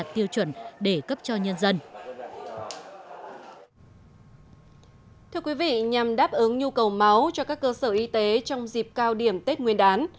thưa quý vị nhằm đáp ứng nhu cầu máu cho các cơ sở y tế trong dịp cao điểm tết nguyên đán